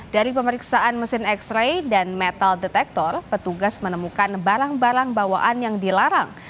dari pemeriksaan mesin x ray dan metal detektor petugas menemukan barang barang bawaan yang dilarang